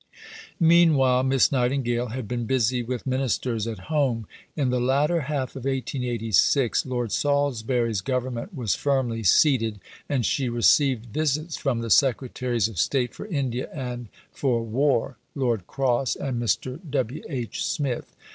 Meanwhile Miss Nightingale had been busy with Ministers at home. In the latter half of 1886 Lord Salisbury's Government was firmly seated, and she received visits from the Secretaries of State for India and for War (Lord Cross and Mr. W. H. Smith).